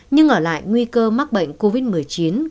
nhưng ở lại nguy cơ mắc bệnh covid một mươi chín còn nguy hiểm hơn